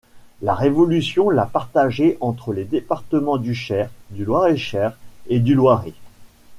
La Révolution l’a partagée entre les départements du Cher, de Loir-et-Cher et du Loiret.